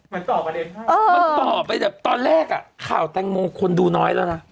มันตอบประเด็นมันต่อไปแบบตอนแรกอ่ะข่าวแตงโมคนดูน้อยแล้วนะ